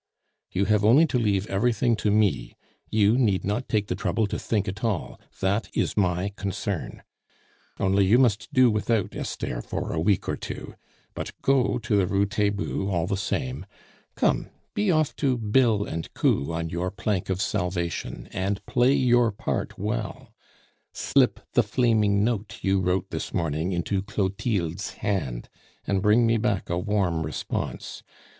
"You have only to leave everything to me; you need not take the trouble to think at all; that is my concern. Only you must do without Esther for a week or two; but go to the Rue Taitbout, all the same. Come, be off to bill and coo on your plank of salvation, and play your part well; slip the flaming note you wrote this morning into Clotilde's hand, and bring me back a warm response.